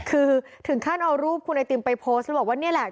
คือถึงขั้นเอารูปคุณไอติมไปโพสต์บอกว่านี่แหละ